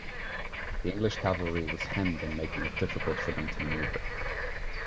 The English cavalry was hemmed in making it difficult for them to manoeuvre.